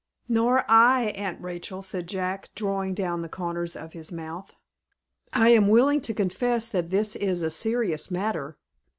"Nor I, Aunt Rachel," said Jack, drawing down the corners of his mouth. "I am willing to confess that this is a serious matter.